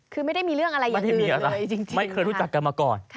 คือไม่ได้มีเรื่องอะไรอย่างอื่นเลยจริงค่ะค่ะค่ะไม่ได้มีอะไรไม่เคยรู้จักกันมาก่อน